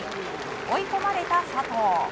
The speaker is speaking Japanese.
追い込まれた佐藤。